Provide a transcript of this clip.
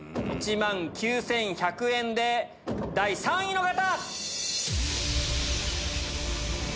１万９１００円で第３位の方！